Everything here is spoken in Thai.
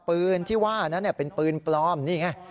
ปืนที่ว่านั้นเป็นปืนปลอมนี่ไง